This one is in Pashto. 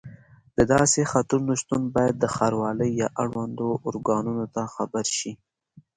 د داسې خطرونو شتون باید ښاروالۍ یا اړوندو ارګانونو ته خبر شي.